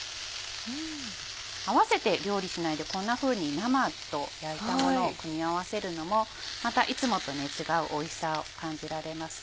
合わせて料理しないでこんなふうに生と焼いたものを組み合わせるのもまたいつもと違うおいしさを感じられますよ。